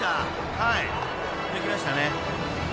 はい抜きましたね］